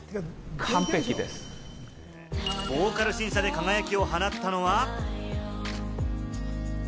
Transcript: ボーカル審査で輝きを放ったのは。